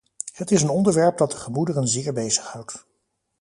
Het is een onderwerp dat de gemoederen zeer bezighoudt.